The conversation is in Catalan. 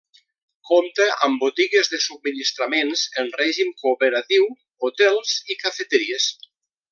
Compta amb botigues de subministraments en règim cooperatiu, hotels i cafeteries.